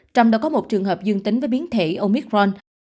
trong đó có một trường hợp dương tính với biến thể omicron